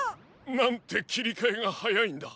なんてきりかえがはやいんだ。